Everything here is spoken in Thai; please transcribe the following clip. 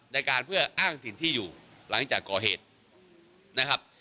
ในการเพื่ออ้างถิ่นที่อยู่หลังจากก่อเหตุนะครับ